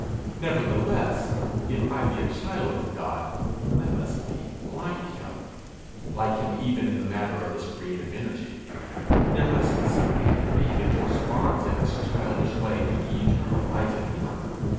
Nevertheless, if I be a child of God, I must be like him, like him even in the matter of this creative energy. There must be something in me that corresponds in its childish way to the eternal might in him.